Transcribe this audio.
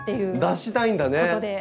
脱したいんだね。